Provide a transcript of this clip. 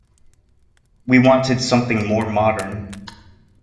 We wanted something more modern.